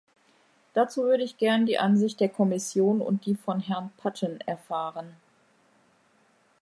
Dazu würde ich gern die Ansicht der Kommission und die von Herrn Patten erfahren.